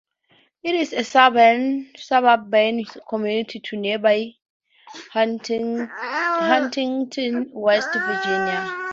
It is a suburban community to nearby Huntington, West Virginia.